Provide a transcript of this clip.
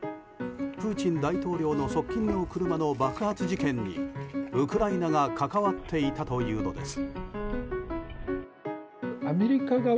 プーチン大統領の側近の車の爆発事件にウクライナが関わっていたというのです。